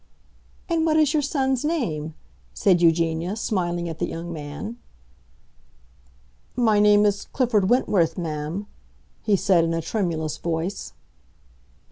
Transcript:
"And what is your son's name?" said Eugenia, smiling at the young man. "My name is Clifford Wentworth, ma'am," he said in a tremulous voice.